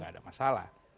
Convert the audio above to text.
gak ada masalah